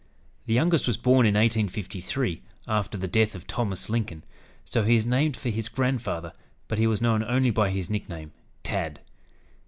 The youngest was born in 1853, after the death of Thomas Lincoln, so he was named for his grandfather, but he was known only by his nickname, "Tad."